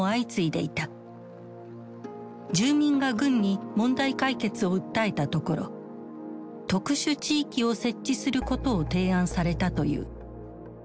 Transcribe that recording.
住民が軍に問題解決を訴えたところ特殊地域を設置することを提案されたという。